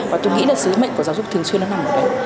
và tôi nghĩ là sứ mệnh của giáo dục thường xuyên đang nằm ở đây